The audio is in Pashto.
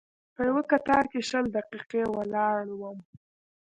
په یوه کتار کې شل دقیقې ولاړ وم.